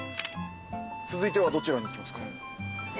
続いてはどちらに行きますか？